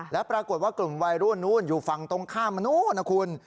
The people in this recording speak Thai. และปรากฏว่ากลุ่มวัยรุ่นนู้นอยู่ฝั่งตรงข้ามมานู้นนะคุณ